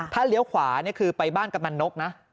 ถ้าเลี้ยวขวาคือไปบ้านกำนักนก